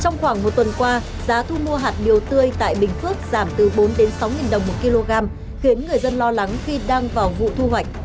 trong khoảng một tuần qua giá thu mua hạt điều tươi tại bình phước giảm từ bốn sáu đồng một kg khiến người dân lo lắng khi đang vào vụ thu hoạch